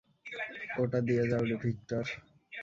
ওটা দিয়ে দাও, ভিক্টর।